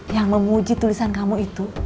yang memuji tulisan kamu itu